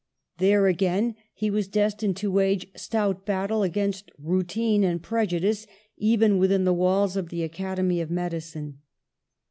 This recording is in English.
There again he was destined to wage stout battles against routine and prejudice, even within the walls of the Academy of Medicine.